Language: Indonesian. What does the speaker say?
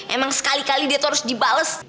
emang sekali kali dia tuh harus dibales